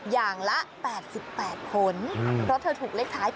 อย่างละ๘๘ผลเพราะเธอถูกเลขท้าย๘